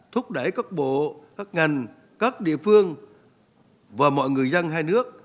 thúc đẩy các bộ các ngành các địa phương và mọi người dân hai nước